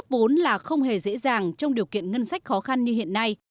phê duyệt cấp vốn là không hề dễ dàng trong điều kiện ngân sách khó khăn như hiện nay